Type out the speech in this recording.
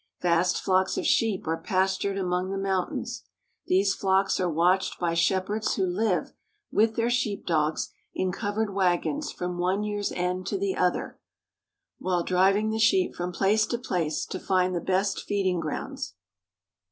Vast flocks of sheep are pastured among the mountains. These flocks are watched by shepherds who live, with their sheep dogs, in covered wagons from one year's end to the other, while driving the sheep from place to place to find the best feeding grounds.